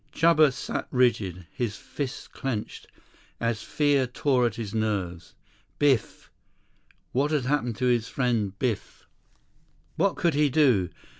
Chuba sat rigid, his fists clenched, as fear tore at his nerves. Biff! What had happened to his friend Biff? What could he do?